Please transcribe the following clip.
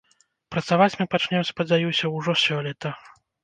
Працаваць мы пачнём, спадзяюся, ужо сёлета.